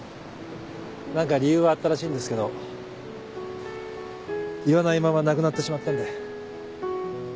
何か理由はあったらしいんですけど言わないまま亡くなってしまったんで。